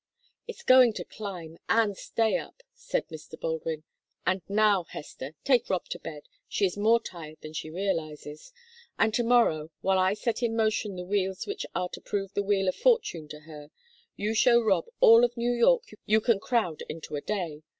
"It's going to climb, and stay up," said Mr. Baldwin. "And now, Hester, take Rob to bed she is more tired than she realizes. And to morrow, while I set in motion the wheels which are to prove the wheel of fortune to her, you show Rob all of New York you can crowd into a day.